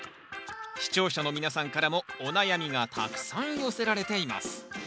視聴者の皆さんからもお悩みがたくさん寄せられています